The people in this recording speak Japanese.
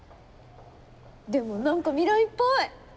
でも何か未来っぽい！